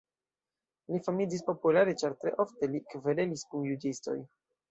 Li famiĝis populare ĉar tre ofte li kverelis kun juĝistoj.